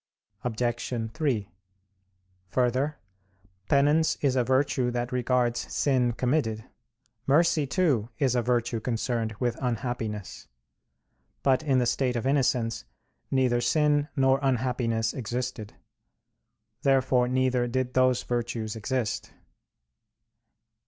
Obj. 3: Further, penance is a virtue that regards sin committed. Mercy, too, is a virtue concerned with unhappiness. But in the state of innocence neither sin nor unhappiness existed. Therefore neither did those virtues exist.